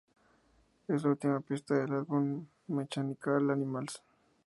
Es la última pista del álbum "Mechanical Animals".